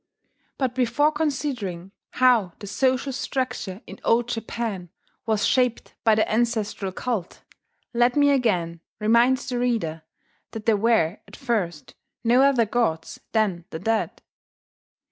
But before considering how the social structure in old Japan was shaped by the ancestral cult, let me again remind the reader that there were at first no other gods than the dead.